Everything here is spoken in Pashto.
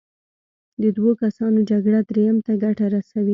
د دوو کسانو جګړه دریم ته ګټه رسوي.